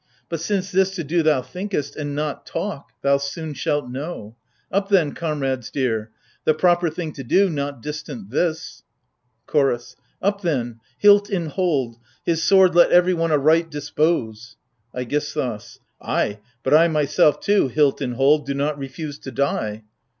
But since this to do thou thinkest— and not talk — thou soon shalt know ! Up then, comrades dear ! the proper thing to do— not distant this ! CHOROS. Up then ! hilt in hold, his sword let everyone aright dis pose ! AIGISTHOS. Ay, but I myself too, hilt in hold, do not refuse to die